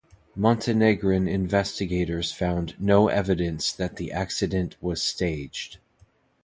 Montenegrin investigators found 'no evidence that the accident was staged'.